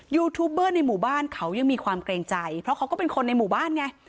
ยูทูบเบอร์ในหมู่บ้านเขายังมีความเกรงใจเพราะเขาก็เป็นคนในหมู่บ้านไง